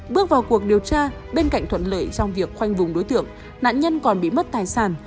bước vào cuộc điều tra bên cạnh thuận lợi trong việc khoanh vùng đối tượng nạn nhân còn bị mất tài sản